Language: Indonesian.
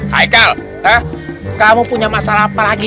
haikal kamu punya masalah apa lagi